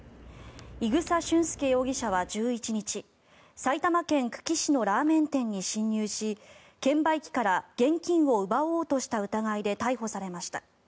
伊草俊輔容疑者は１１日埼玉県久喜市のラーメン店に侵入し券売機から現金を奪おうとした疑いで逮捕されました。